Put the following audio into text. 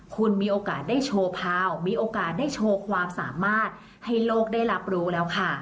คุณมีโอกาสได้โชว์พาวมีโอกาสได้โชว์ความสามารถให้โลกได้รับรู้แล้วค่ะ